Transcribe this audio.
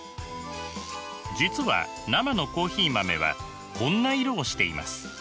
実は生のコーヒー豆はこんな色をしています。